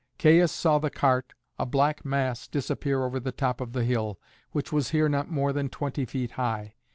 Caius saw the cart, a black mass, disappear over the top of the hill, which was here not more than twenty feet high.